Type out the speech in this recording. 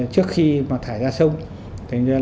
trước khi mà thải ra sông